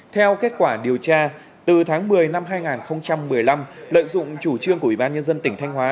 theo kết quả điều tra từ tháng một mươi năm hai nghìn một mươi năm lợi dụng chủ trương của ủy ban nhân dân tỉnh thanh hóa